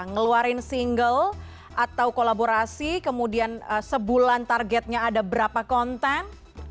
ngeluarin single atau kolaborasi kemudian sebulan targetnya ada berapa konten